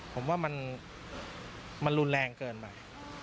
ผมว่ามันรุนแรงเกินไป